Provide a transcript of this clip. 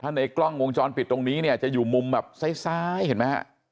ในกล้องวงจรปิดตรงนี้เนี่ยจะอยู่มุมแบบซ้ายเห็นไหมฮะ